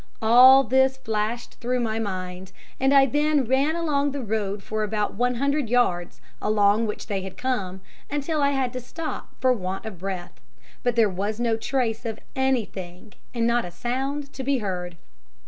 All this flashed through my mind, and I then ran along the road for about 100 yards, along which they had come, until I had to stop for want of breath, but there was no trace of anything, and not a sound to be heard.